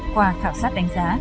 qua khảo sát đánh giá